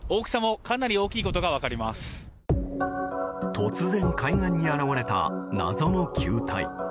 突然、海岸に現れた謎の球体。